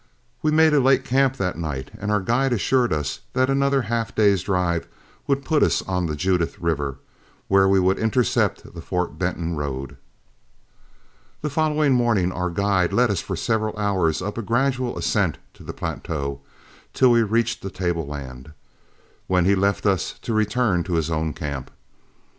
We made a late camp that night, and our guide assured us that another half day's drive would put us on the Judith River, where we would intercept the Fort Benton road. The following morning our guide led us for several hours up a gradual ascent to the plateau, till we reached the tableland, when he left us to return to his own camp.